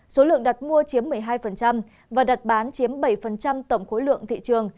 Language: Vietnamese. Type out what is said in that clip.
số lượng đặt mua chiếm một mươi hai và đặt bán chiếm bảy tổng khối lượng thị trường